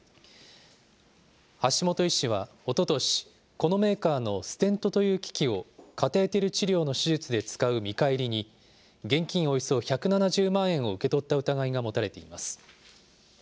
橋本医師は、おととし、このメーカーのステントという機器をカテーテル治療の手術で使う見返りに、現金およそ１７０万円を受け取った疑いが持たれています。